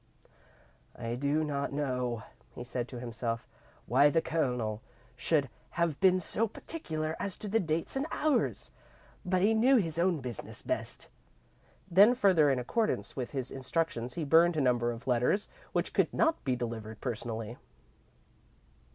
"I do not know," he said to himself, "why the Colonel should have been so particular as to dates and hours, but he knew his own business best." Then, further in accordance with his instructions, he burned a number of letters which could not be delivered personally.